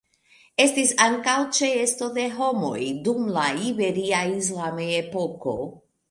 Estis ankaŭ ĉeesto de homoj dum la Iberia islama epoko.